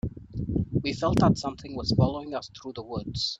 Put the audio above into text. We felt that something was following us through the woods.